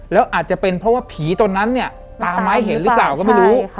แล้วอาจจะเป็นเพราะว่าผีตอนนั้นเนี่ยตาไม้เห็นหรือเปล่าก็ไม่รู้